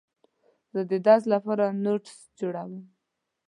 زه د درس لپاره نوټس جوړوم.